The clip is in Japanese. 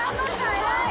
偉い！